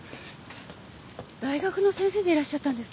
大学の先生でいらっしゃったんですか？